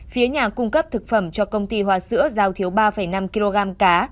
phía nhà cung cấp thực phẩm cho công ty hoa sữa giao thiếu ba năm kg cá